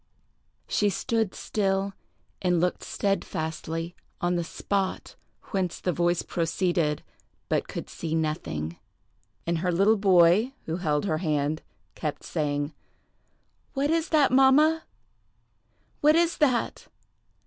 She stood still, and looked steadfastly on the spot whence the voice proceeded, but could see nothing; and her little boy, who held her hand, kept saying, "What is that, mamma? What is that?"